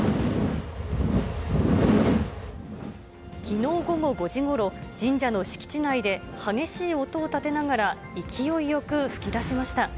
きのう午後５時ごろ、神社の敷地内で激しい音を立てながら勢いよく噴き出しました。